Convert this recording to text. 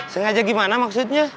sengaja gimana maksudnya